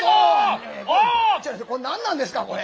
これ何なんですかこれ。